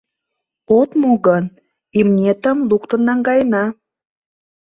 — От му гын, имнетым луктын наҥгаена.